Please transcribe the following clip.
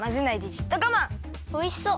おいしそう。